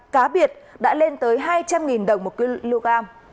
cá biệt đã lên tới hai trăm linh đồng một kg